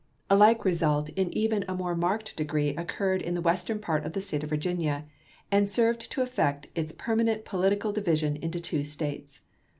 A like result in even a more marked degree occurred in the western part of the State of Virginia, and served to effect its permanent political division into two States.